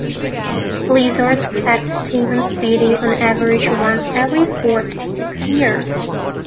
Blizzards affect Stephens City on average once every four to six years.